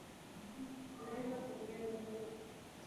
anaweza kuongea mada moja kwenye kipindi chake